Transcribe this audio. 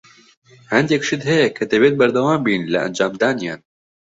هەندێک شت هەیە کە دەبێت بەردەوام بین لە ئەنجامدانیان.